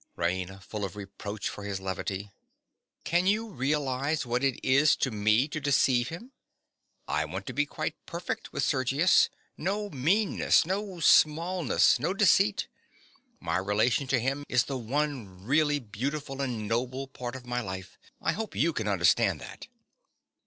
RAINA. (full of reproach for his levity). Can you realize what it is to me to deceive him? I want to be quite perfect with Sergius—no meanness, no smallness, no deceit. My relation to him is the one really beautiful and noble part of my life. I hope you can understand that.